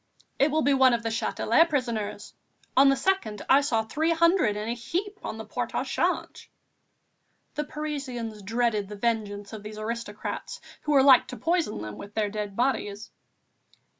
"It will be one of the Châtelet prisoners. On the 2nd I saw three hundred in a heap on the Port au Change." The Parisians dreaded the vengeance of these aristocrats who were like to poison them with their dead bodies.